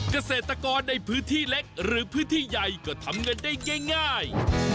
เกษตรกรในพื้นที่เล็กหรือพื้นที่ใหญ่ก็ทำเงินได้ง่าย